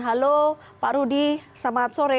halo pak rudy selamat sore